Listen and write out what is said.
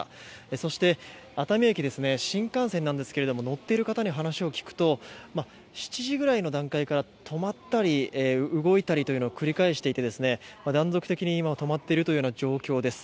そして熱海駅、新幹線ですが乗っている方に話を聞くと７時ぐらいの段階から止まったり、動いたりというのを繰り返していて断続的に止まっているというような状況です。